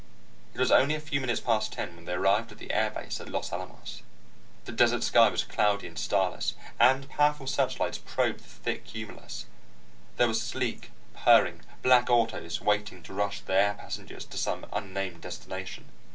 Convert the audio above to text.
It was only a few minutes past ten when they arrived at the air base at Los Alamos. The desert sky was cloudy and starless, and powerful searchlights probed the thick cumulus. There were sleek, purring black autos waiting to rush the air passengers to some unnamed destination.